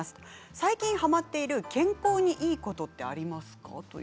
最近はまっている健康にいいことってありますか。